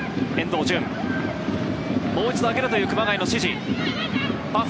もう一度上げろという熊谷の指示。